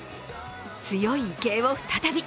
強い池江を再び。